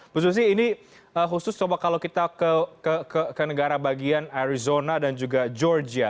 bu susi ini khusus coba kalau kita ke negara bagian arizona dan juga georgia